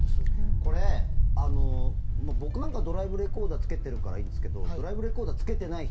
これ、僕なんかドライブレコーダーをつけてるからいいですけどドライブレコーダーをつけていない人